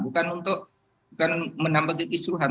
bukan untuk menambah keistruhan